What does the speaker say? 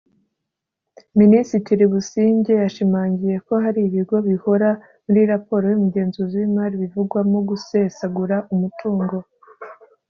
Minisitiri Busingye yashimangiye ko hari ibigo bihora muri raporo y’umugenzuzi w’imari bivugwamo gusesagura umutungo